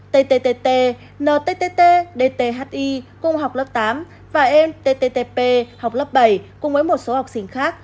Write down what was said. tttt nttt dthi cùng học lớp tám và em tttp học lớp bảy cùng với một số học sinh khác